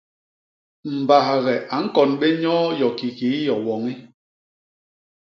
Mbaghe a ñkon bé nyoo yo kikii yo woñi.